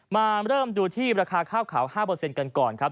มาเริ่มดูที่ราคาข้าวขาว๕กันก่อนครับ